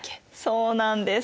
そうなんです。